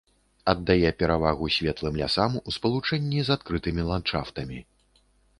Аддае перавагу светлым лясам у спалучэнні з адкрытымі ландшафтамі.